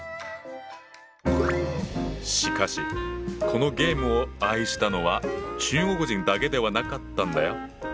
しかしこのゲームを愛したのは中国人だけではなかったんだよ。